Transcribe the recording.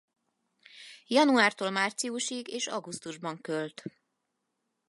Januártól márciusig és augusztusban költ.